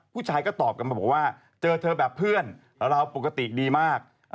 ผู้ชายก็ตอบกลับมาบอกว่าเจอเธอแบบเพื่อนเราปกติดีมาก